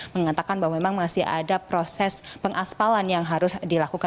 mengatakan bahwa memang masih ada proses pengaspalan yang harus dilakukan